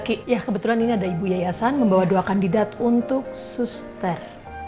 oke ya kebetulan ini ada ibu yayasan membawa dua kandidat untuk suster